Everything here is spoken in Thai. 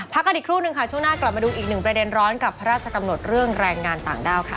กันอีกครู่นึงค่ะช่วงหน้ากลับมาดูอีกหนึ่งประเด็นร้อนกับพระราชกำหนดเรื่องแรงงานต่างด้าวค่ะ